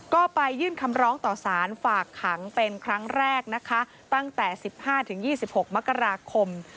ก็ไปยืนคำลองต่อสารฝากขังเป็นครั้งแรกตั้งแต่๑๕๒๖มค